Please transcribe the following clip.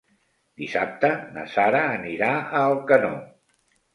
Dissabte na Sara anirà a Alcanó.